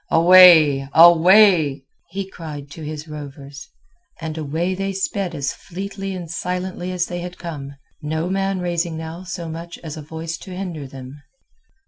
"Away, away!" he cried to his rovers, and away they sped as fleetly and silently as they had come, no man raising now so much as a voice to hinder them.